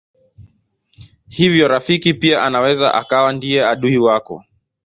Hivyo rafiki pia anaweza akawa ndiye adui wako.